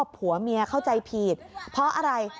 ผัวเมียเข้าใจผิดเพราะอะไร